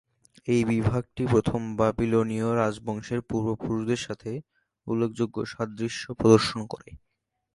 এই বিভাগটি প্রথম বাবিলনীয় রাজবংশের পূর্বপুরুষদের সাথে উল্লেখযোগ্য সাদৃশ্য প্রদর্শন করে।